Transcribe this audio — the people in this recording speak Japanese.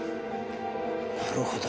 なるほど。